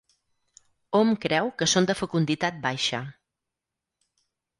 Hom creu que són de fecunditat baixa.